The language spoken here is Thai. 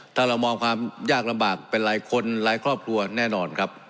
ถ้าเรามองความยากลำบากเป็นหลายคนหลายครอบครัวแน่นอนครับ